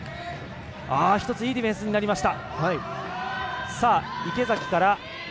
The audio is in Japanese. いいディフェンスになりました。